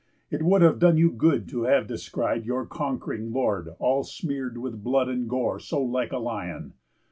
It would have done you good to have descried Your conqu'ring lord all smear'd with blood and gore So like a lion.